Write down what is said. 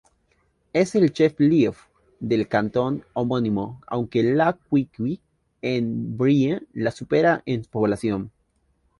Es el "chef-lieu" del cantón homónimo, aunque La Queue-en-Brie la supera en población.